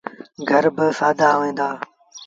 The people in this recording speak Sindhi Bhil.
گھر با سآدآ هوئيݩ دآ۔